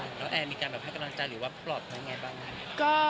แล้วแอร์มีการแบบให้กำลังใจหรือว่าปลอบน้องไงบ้างครับ